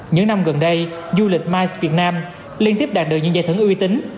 những năm gần đây du lịch mice việt nam liên tiếp đạt được những giải thưởng uy tín